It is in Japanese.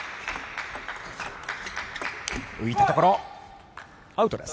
浮いたところ、アウトです。